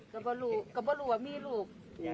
ก็มารู้ว่ามีลูก